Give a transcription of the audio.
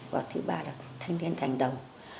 và thứ ba là thanh niên thành đầu